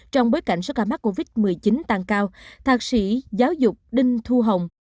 trong bối cảnh sức khả mắc covid một mươi chín tăng cao thạc sĩ giáo dục đinh thu hồng